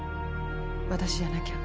私じゃなきゃ。